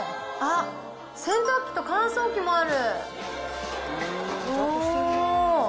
洗濯機と乾燥機もある。